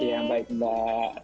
ya baik mbak